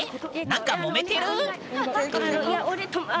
なんかもめてる⁉